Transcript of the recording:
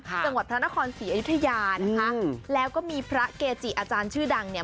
จังหวัดพระนครศรีอยุธยานะคะแล้วก็มีพระเกจิอาจารย์ชื่อดังเนี่ย